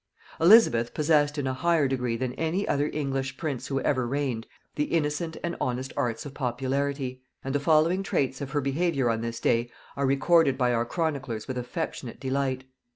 Elizabeth possessed in a higher degree than any other English prince who ever reigned, the innocent and honest arts of popularity; and the following traits of her behaviour on this day are recorded by our chroniclers with affectionate delight.